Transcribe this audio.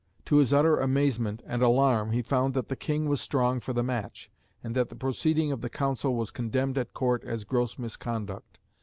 To his utter amazement and alarm he found that the King was strong for the match, and that the proceeding of the Council was condemned at Court as gross misconduct.